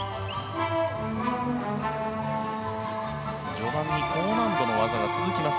序盤に高難度の技が続きます